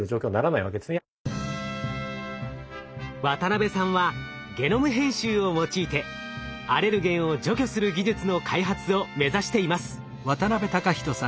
渡さんはゲノム編集を用いてアレルゲンを除去する技術の開発を目指しています。